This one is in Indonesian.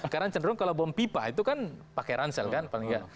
karena cenderung kalau bom pipa itu kan pakai ransel kan paling tidak